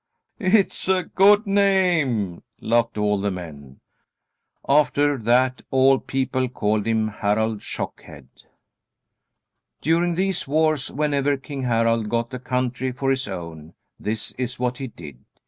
"It is a good name," laughed all the men. After that all people called him Harald Shockhead. During these wars, whenever King Harald got a country for his own, this is what he did.